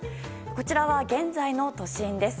こちらは現在の都心です。